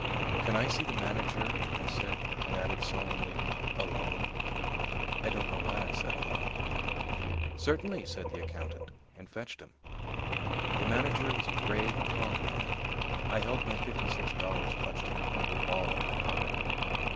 "Can I see the manager?" I said, and added solemnly, "alone." I don't know why I said "alone." "Certainly," said the accountant, and fetched him. The manager was a grave, calm man. I held my fifty six dollars clutched in a crumpled ball in my pocket.